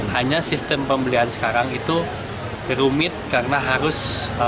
hanya sistem pembelian sekarang itu rumit karena harus